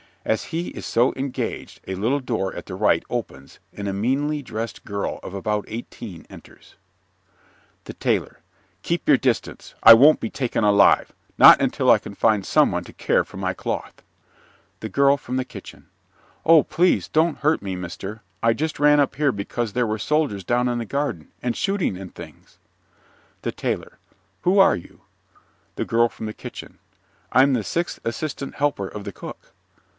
As he is so engaged a little door at the right opens and a meanly dressed girl of about eighteen enters._) THE TAILOR Keep your distance. I won't be taken alive. Not until I can find some one to care for my cloth. THE GIRL FROM THE KITCHEN Oh, please, don't hurt me, mister. I just ran up here because there were soldiers down in the garden, and shooting and things. THE TAILOR Who are you? THE GIRL FROM THE KITCHEN I'm the sixth assistant helper of the cook.